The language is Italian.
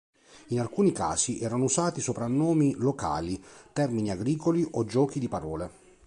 In alcuni casi erano usati soprannomi locali, termini agricoli o giochi di parole.